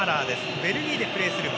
ベルギーでプレーする選手。